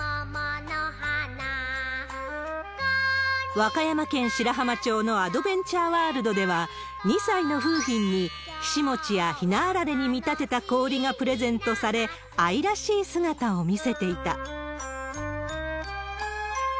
和歌山県白浜町のアドベンチャーワールドでは、２歳の楓浜にひし餅やひなあられに見立てた氷がプレゼントされ、愛らしい姿を見せていた。